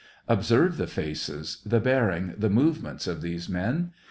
Observe the faces, the bearing, the movements of these men.